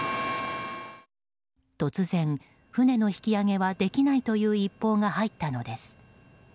突然、船の引き揚げはできないという一報が入ったのです。